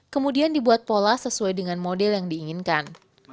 kemudian dibuat pola sesuai dengan model yang diinginkan